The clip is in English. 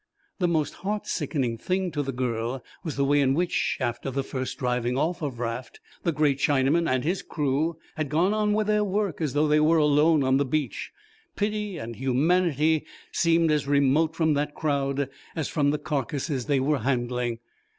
The most heart sickening thing to the girl was the way in which, after the first driving off of Raft, the great Chinaman and his crew had gone on with their work as though they were alone on the beach. Pity and humanity seemed as remote from that crowd as from the carcases they were handling.